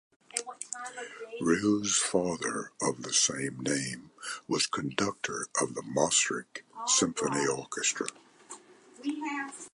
Rieu's father, of the same name, was conductor of the Maastricht Symphony Orchestra.